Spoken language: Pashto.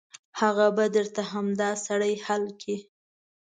هغه به درته همدا سړی حل کړي.